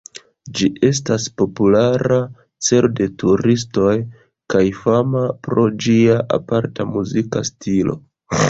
Ĝi estas populara celo de turistoj, kaj fama pro ĝia aparta muzika stilo.